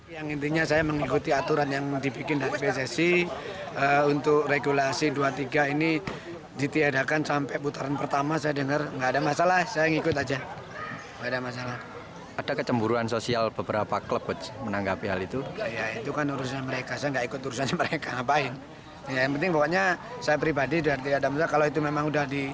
yang penting pokoknya saya pribadi kalau itu memang sudah diputuskan oleh pssc yang jelas saya pribadi mendukung